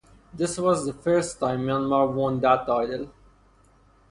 This was the first time Myanmar won that title.